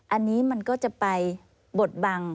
อันนี้มันก็จะไปบทบัง